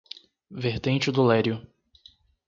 Vertente do Lério